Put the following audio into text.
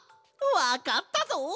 わかったぞ！